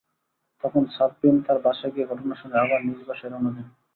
তখন সাদবীন তাঁর বাসায় গিয়ে ঘটনা শুনে আবার নিজ বাসায় রওনা দেন।